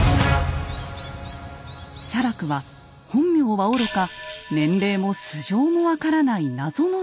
写楽は本名はおろか年齢も素性も分からない謎の人物。